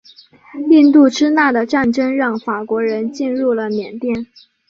印度支那的战争让法国人进入了缅甸。